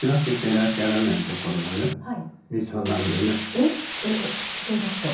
えっ？えといいますと？